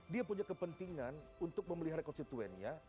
dia punya kepentingan untuk memelihara konstituennya